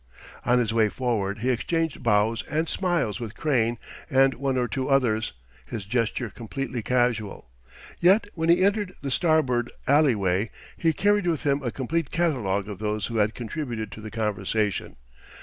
On his way forward he exchanged bows and smiles with Crane and one or two others, his gesture completely casual. Yet when he entered the starboard alleyway he carried with him a complete catalogue of those who had contributed to the conversation.